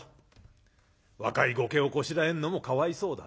若い後家をこしらえるのもかわいそうだ」